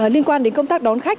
liên quan đến công tác đón khách